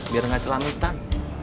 biar gak celam hitam